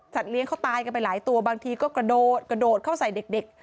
สัตว์เลี้ยงเขาตายกันไปหลายตัวบางทีก็กระโดดเข้าใส่เด็ก